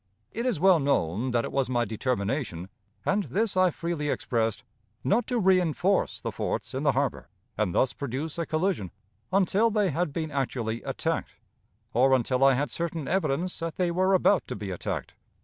It is well known that it was my determination, and this I freely expressed, not to reënforce the forts in the harbor, and thus produce a collision, until they had been actually attacked, or until I had certain evidence that they were about to be attacked.